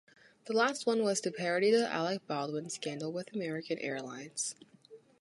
The last one was to parody the Alec Baldwin scandal with American Airlines.